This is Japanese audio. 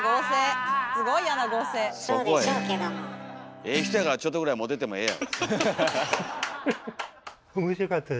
ええ人やからちょっとぐらいモテてもええやん。